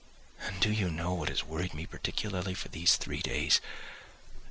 And do you know what has worried me particularly for these three days?